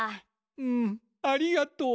うんありがとう。